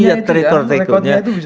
iya rekor rekornya itu bisa jadi